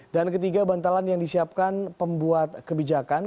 dan ketiga bantalan yang disiapkan pembuat kebijakan